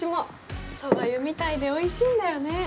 そば湯みたいでおいしいんだよね。